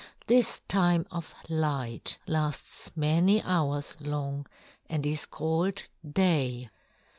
This time of light lasts many hours long and is called day."